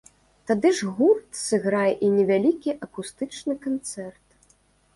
Тады ж гурт сыграе і невялікі акустычны канцэрт.